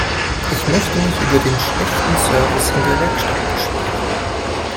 Ich möchte mich über den schlechten Service in der Werkstatt beschweren.